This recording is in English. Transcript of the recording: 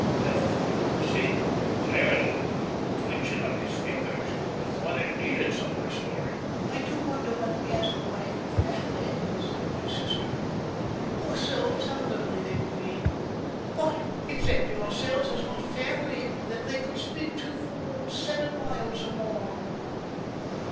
If you had seen how he glared at me, and the twitching of his fingers, you would have thought it needed some restoring." "I do wonder whether he has a wife and a family," said my sister. "Poor souls, how lonely they will be! Why, excepting ourselves, there is not a family that they could speak to for seven miles and more."